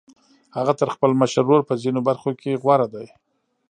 هغه تر خپل مشر ورور په ځينو برخو کې غوره دی.